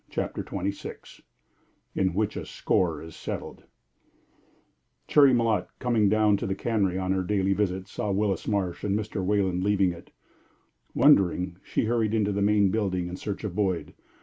CHAPTER XXVI IN WHICH A SCORE IS SETTLED Cherry Malotte, coming down to the cannery on her daily visit, saw Willis Marsh and Mr. Wayland leaving it. Wondering, she hurried into the main building in search of Boyd.